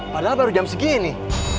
padahal baru jam segini